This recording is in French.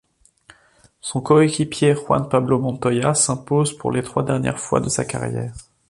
Son coéquipier Juan Pablo Montoya s'impose pour les trois dernières fois de sa carrière.